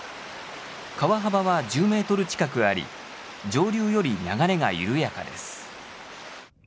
川幅は１０メートル近くあり上流より流れが緩やかです。